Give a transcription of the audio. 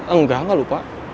enggak gak lupa